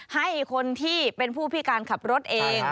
ให้คนที่เป็นผู้พิการขับรถเอง